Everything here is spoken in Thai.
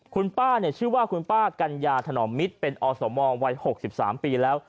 คุณป้าชื่อว่าคุณป้ากัญญาถนอมมิตรเป็นอสมวัย๖๓ปีแล้ว